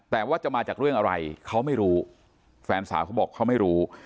แต่ว่าจะมาจากเรื่องอะไรเขาไม่รู้แฟนสาวเขาบอกเขาไม่รู้